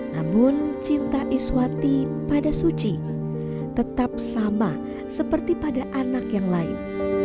namun cinta iswati pada suci tetap sama seperti pada anak yang lain